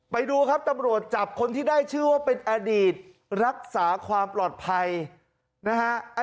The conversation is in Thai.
ไปดูครับตำรวจจับคนที่ได้ชื่อว่าเป็นอดีตรักษาความปลอดภัยนะฮะ